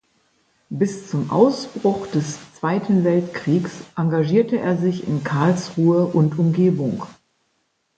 Bis zum Ausbruch des Zweiten Weltkriegs engagierte er sich in Karlsruhe und Umgebung.